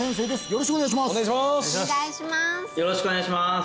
よろしくお願いします